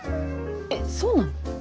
えっそうなの？